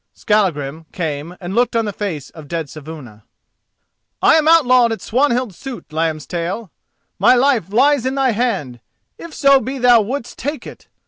Skallagrim came and looked on the face of dead Saevuna. "I am outlawed at Swanhild's suit, Lambstail. My life lies in thy hand, if so be thou wouldst take it!